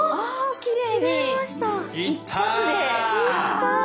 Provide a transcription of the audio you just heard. きれい！